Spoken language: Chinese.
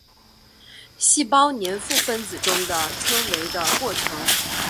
细胞黏附分子中的称为的过程。